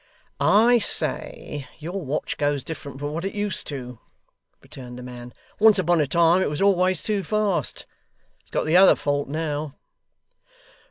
'I say, your watch goes different from what it used to,' returned the man. 'Once upon a time it was always too fast. It's got the other fault now.